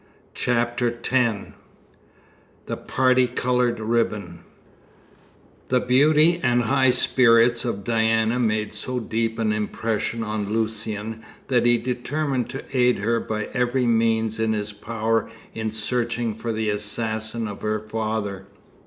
CHAPTER X THE PARTI COLOURED RIBBON The beauty and high spirit of Diana made so deep an impression on Lucian that he determined to aid her by every means in his power in searching for the assassin of her father.